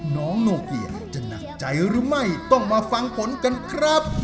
น้องโนเกียจะหนักใจหรือไม่ต้องมาฟังผลกันครับ